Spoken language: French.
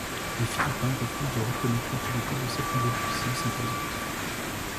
Les Philippins refusent de reconnaître l’autorité de cette nouvelle puissance imposante.